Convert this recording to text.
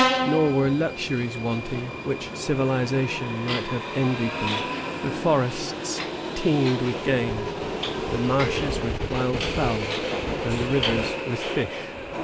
Nor were luxuries wanting which civilization might have envied them. The forests teemed with game, the marshes with wild fowl, and the rivers with fish.